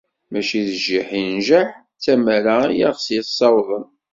Mačči d jjiḥ i njaḥ, d tamara i aɣ-yessawḍen.